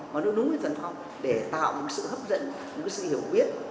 có đúng với thuần phong để tạo sự hấp dẫn sự hiểu biết